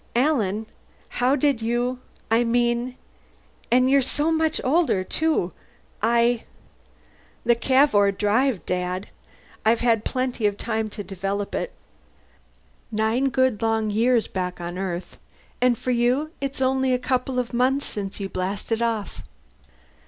"Alan how did you I mean and you're so much older, too! I " "The Cavour Drive, Dad. I've had plenty of time to develop it. Nine good long years, back on Earth. And for you it's only a couple of months since you blasted off!"